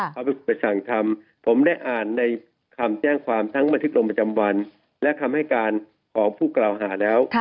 เขาไปสั่งทำผมได้อ่านในคำแจ้งความทั้งบันทึกลงประจำวันและคำให้การของผู้กล่าวหาแล้ว